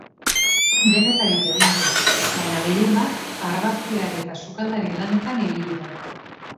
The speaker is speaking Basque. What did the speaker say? Denetarik egin du, baina gehien bat argazkilari eta sukaldari lanetan ibili da.